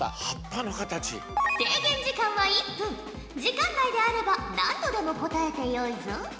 時間内であれば何度でも答えてよいぞ。